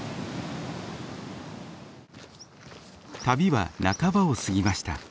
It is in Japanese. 旅は半ばを過ぎました。